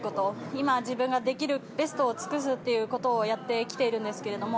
今自分ができるベストを尽くすということをやってきているんですけれども。